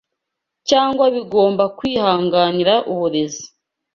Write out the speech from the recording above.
cyangwa bigomba kw’ihanganira uburezi